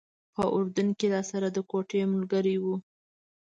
په اردن کې راسره د کوټې ملګری و.